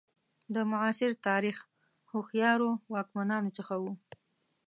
د معاصر تاریخ هوښیارو واکمنانو څخه وو.